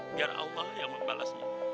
biar allah yang membalasnya